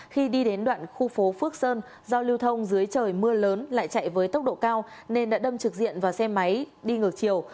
khi đi đến đoạn khu phố phước sơn do lưu thông dưới trời mưa lớn lại chạy với tốc độ cao nên đã đâm trực diện vào xe máy đi ngược chiều